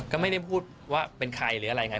ก็ไม่ได้พูดว่าเป็นใครหรืออะไรไง